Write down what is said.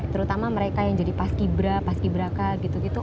terutama mereka yang jadi pas kibra pas kibraka gitu gitu